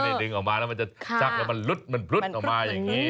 นี่ดึงออกมาแล้วมันจะชักแล้วมันลุดออกมาอย่างนี้